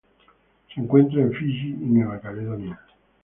Se encuentra en Fiyi y Nueva Caledonia.